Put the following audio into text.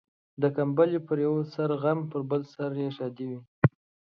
د کمبلي پر يوه سر غم ، پر بل سر يې ښادي وي.